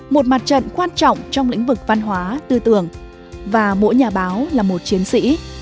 một mặt trận quan trọng trong lĩnh vực văn hóa tư tưởng và mỗi nhà báo là một chiến sĩ